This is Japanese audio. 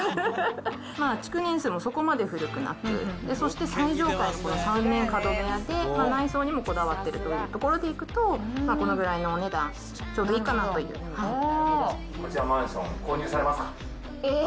築年数もそこまで古くなく、そして最上階のこの３面角部屋で内装にもこだわっているというところでいくと、このぐらいのお値段、こちらのマンション、購入さえー？